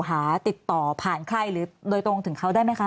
หาติดต่อผ่านใครหรือโดยตรงถึงเขาได้ไหมคะ